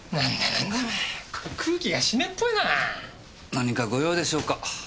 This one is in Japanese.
何かご用でしょうか？